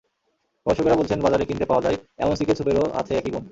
গবেষকেরা বলছেন, বাজারে কিনতে পাওয়া যায়, এমন চিকেন স্যুপেরও আছে একই গুণ।